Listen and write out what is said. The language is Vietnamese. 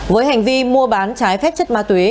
với hành vi mua bán trái phép chất ma túy